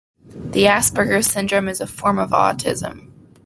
The Asperger syndrome is a form of autism.